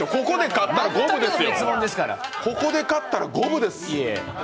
ここで勝ったら五分です。